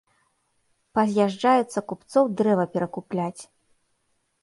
Паз'язджаецца купцоў дрэва перакупляць.